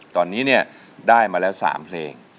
ตอนนี้เนี่ยได้มาแล้ว๓เพลง